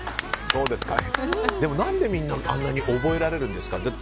でも何でみんなあんなに覚えられるんですか。